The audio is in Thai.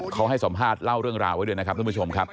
เขาให้สัมภาษณ์เล่าเรื่องราวไว้ด้วยนะครับท่านผู้ชมครับ